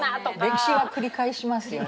歴史は繰り返しますよね